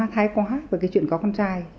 thay quá về chuyện có con trai